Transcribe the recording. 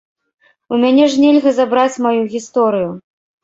У мяне ж нельга забраць маю гісторыю!